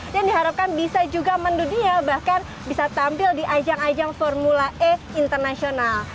dan diharapkan bisa juga mendunia bahkan bisa tampil di ajang ajang formula e internasional